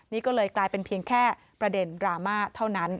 นี่ก็เลยกลายเป็นเพียงแค่ประเด็นดราม่าเท่านั้น